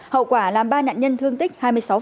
hậu quả làm ba nạn nhân thương tích hai mươi sáu